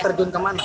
terjun ke mana